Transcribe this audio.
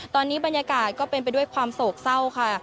ตอนนี้บรรยากาศก็เป็นไปด้วยความโศกเศร้าค่ะ